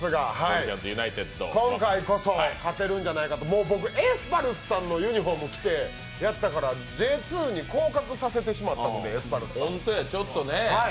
今回こそ勝てるんじゃないかと僕エスパルスさんのユニフォーム着てやったのでＪ２に降格させてしまったのでエスパルスさん。